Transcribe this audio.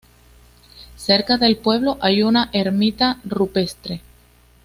Cerca del pueblo hay una ermita rupestre.